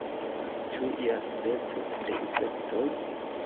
Ĉu ia speco de insektoj?